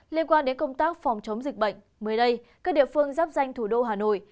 liên quan đến công tác phòng chống dịch bệnh mới đây các địa phương giáp danh thủ đô hà nội